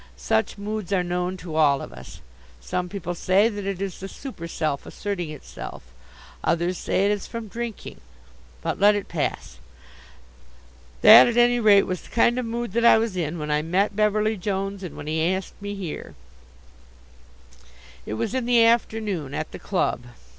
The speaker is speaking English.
Such moods are known to all of us. Some people say that it is the super self asserting itself. Others say it is from drinking. But let it pass. That at any rate was the kind of mood that I was in when I met Beverly Jones and when he asked me here. It was in the afternoon, at the club.